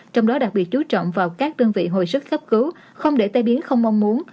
trong đó đặc biệt chú trọng vào các đơn vị hồi sức cấp cứu không để tai biến không mong muốn